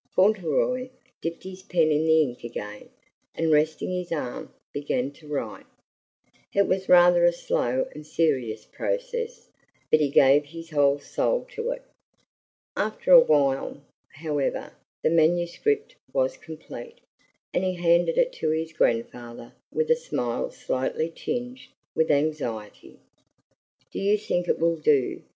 Fauntleroy dipped his pen in the ink again, and resting his arm, began to write. It was rather a slow and serious process, but he gave his whole soul to it. After a while, however, the manuscript was complete, and he handed it to his grandfather with a smile slightly tinged with anxiety. "Do you think it will do?"